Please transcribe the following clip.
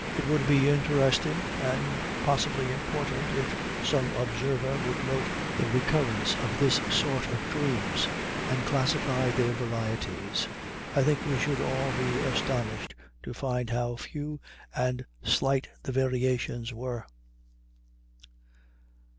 It would be interesting, and possibly important, if some observer would note the recurrence of this sort of dreams and classify their varieties. I think we should all be astonished to find how few and slight the variations were.